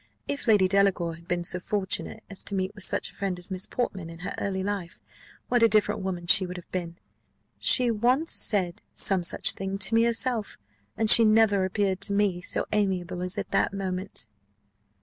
If Lady Delacour had been so fortunate as to meet with such a friend as Miss Portman in her early life, what a different woman she would have been! She once said some such thing to me herself, and she never appeared to me so amiable as at that moment."